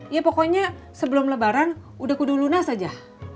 ya pokoknya sebelum lebaran udah kudu lunas aja